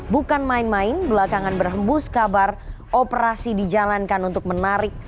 bukan main main belakangan berhembus kabar operasi dijalankan untuk menarik